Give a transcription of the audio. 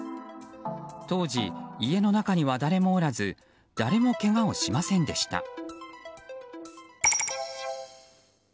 当時、家の中には誰もおらず誰もけがをしませんでした。